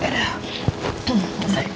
berangkat dulu ya